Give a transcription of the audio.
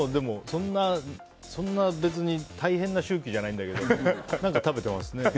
そんな、別に大変な周期じゃないんだけど何か食べてますね。